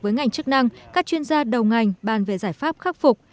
với ngành chức năng các chuyên gia đầu ngành bàn về giải pháp khắc phục